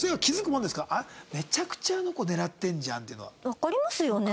わかりますよね？